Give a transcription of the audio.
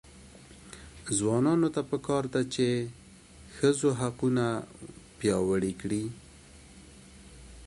ځوانانو ته پکار ده چې، ښځو حقونه وپیاوړي کړي.